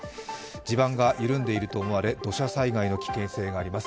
地盤が緩んでいると思われ土砂災害の危険性があります。